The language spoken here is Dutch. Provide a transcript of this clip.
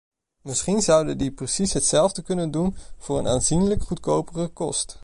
Misschien zouden die precies hetzelfde kunnen doen voor een aanzienlijk goedkopere kost.